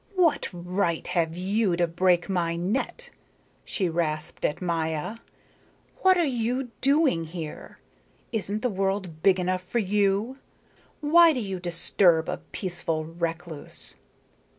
"What right have you to break my net?" she rasped at Maya. "What are you doing here? Isn't the world big enough for you? Why do you disturb a peaceful recluse?"